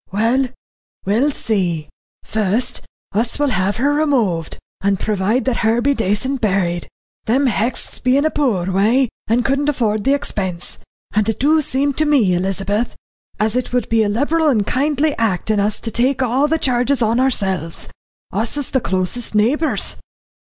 "Well we'll see. Fust us will have her removed, and provide that her be daycent buried. Them Hexts be in a poor way, and couldn't afford the expense, and it do seem to me, Elizabeth, as it would be a liberal and a kindly act in us to take all the charges on ourselves. Us is the closest neighbours."